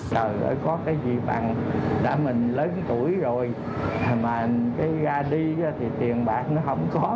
trời ơi có cái gì bằng đã mình lớn tuổi rồi mà ra đi thì tiền bạc nó không có